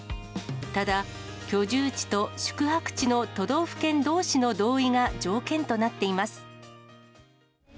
ただ、居住地と宿泊地の都道府県どうしの同意が条件となっています。